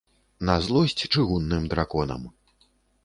На злосць чыгунным драконам.